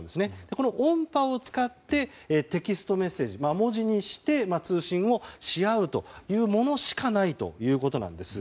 この音波を使ってテキストメッセージ文字にして通信をし合うというものしかないということなんです。